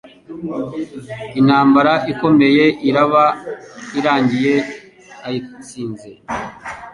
intambara ikomeye iraba irangiye ayitsinze.